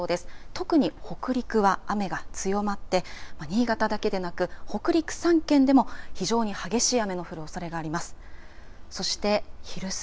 特に、北陸は雨が強まって新潟だけではなく北陸３県でも非常に激しい雨の降るおそれがあります。